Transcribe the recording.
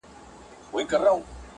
یو ګیدړ کښته له مځکي ورکتله،